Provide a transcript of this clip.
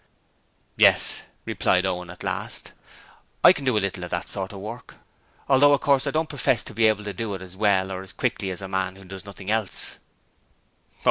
'Yes,' replied Owen at last. 'I can do a little of that sort of work, although of course I don't profess to be able to do it as well or as quickly as a man who does nothing else.'